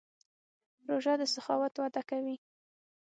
روژه د سخاوت وده کوي.